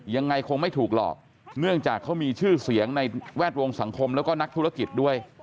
ยังไงคงไม่ถูกหรอกเนื่องจากเขามีชื่อเสียงในแวดวงสังคมแล้วก็นักธุรกิจด้วย